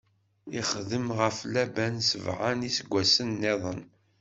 Ixdem ɣef Laban sebɛa n iseggasen-nniḍen.